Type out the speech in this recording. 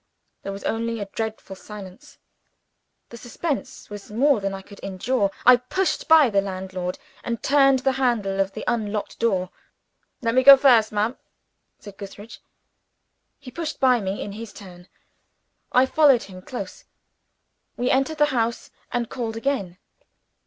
There was only a dreadful silence. The suspense was more than I could endure. I pushed by the landlord, and turned the handle of the unlocked door. "Let me go first, ma'am," said Gootheridge. He pushed by me, in his turn. I followed him close. We entered the house, and called again.